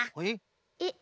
えっ。